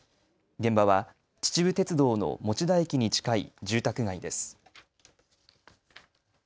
現場は秩父鉄道の持田駅に近い住宅街です。